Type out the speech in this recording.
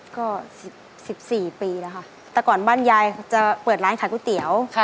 ก็๑๔ปีแล้วค่ะแต่ก่อนบ้านยายจะเปิดร้านขายก๋วยเตี๋ยว